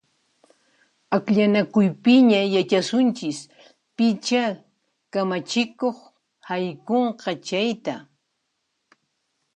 Akllanakuypiña yachasunchis picha kamachikuq haykunqa chayta!